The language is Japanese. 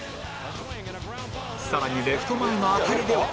更にレフト前の当たりでは